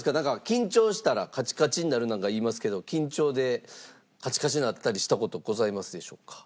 「緊張したらカチカチになる」なんかいいますけど緊張でカチカチになったりした事ございますでしょうか？